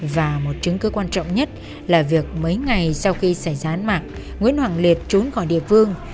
và một chứng cứ quan trọng nhất là việc mấy ngày sau khi xảy ra án mạng nguyễn hoàng liệt trốn khỏi địa phương